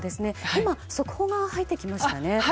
今、速報が入ってきましたね。